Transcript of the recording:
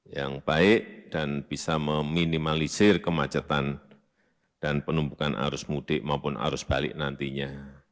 yang baik dan bisa meminimalisir kemacetan dan penumpukan arus mudik maupun arus balik nantinya